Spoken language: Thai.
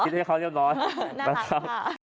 คิดให้เขาเรียบร้อยนะครับนะครับ